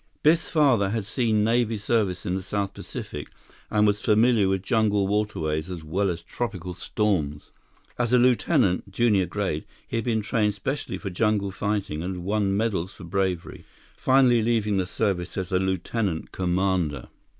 Biff's father had seen Navy service in the South Pacific and was familiar with jungle waterways as well as tropical storms. As a Lieutenant, Junior Grade, he had been trained specially for jungle fighting and had won medals for bravery, finally leaving the service as a Lieutenant Commander.